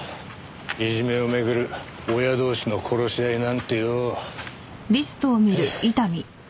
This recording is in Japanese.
いじめをめぐる親同士の殺し合いなんてよ。